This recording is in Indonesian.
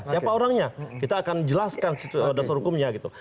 siapa orangnya kita akan jelaskan dasar hukumnya gitu